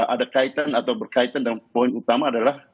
ada kaitan atau berkaitan dengan poin utama adalah